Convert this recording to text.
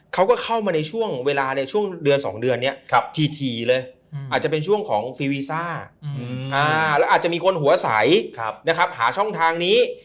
เขาก็เข้ามาในช่วง